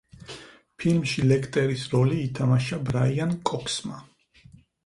ფილმში ლექტერის როლი ითამაშა ბრაიან კოქსმა.